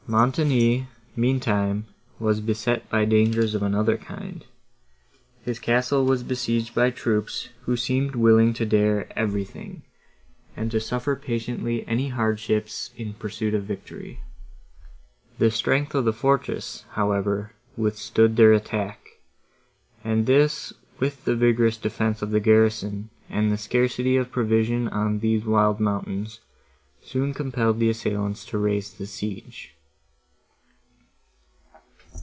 Montoni, meantime, was beset by dangers of another kind. His castle was besieged by troops, who seemed willing to dare everything, and to suffer patiently any hardships in pursuit of victory. The strength of the fortress, however, withstood their attack, and this, with the vigorous defence of the garrison and the scarcity of provision on these wild mountains, soon compelled the assailants to raise the siege.